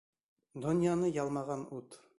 Донъяны ялмаған ут.